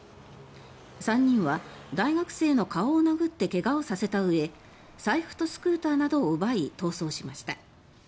３人は大学生の顔を殴って怪我をさせたうえ財布とスクーターなどを奪い逃走しました。